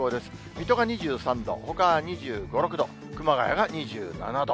水戸が２３度、ほか２５、６度、熊谷が２７度。